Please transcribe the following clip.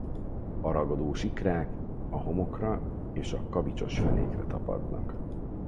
A ragadós ikrák a homokra és a kavicsos fenékre tapadnak.